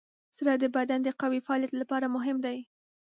زړه د بدن د قوي فعالیت لپاره مهم دی.